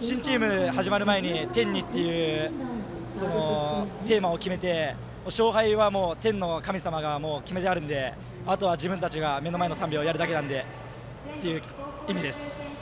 新チームが始まる前に天にというテーマを決めて勝敗は天の神様が決めてあるのであとは自分たちが目の前の試合をやるだけという意味です。